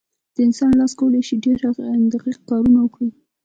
د انسان لاس کولی شي ډېر دقیق کارونه وکړي.